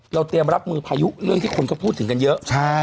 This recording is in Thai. เตรียมรับมือพายุเรื่องที่คนก็พูดถึงกันเยอะ